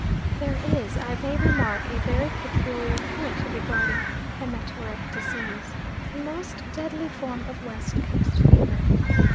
There is, I may remark, a very peculiar point regarding haematuric disease, the most deadly form of West Coast fever.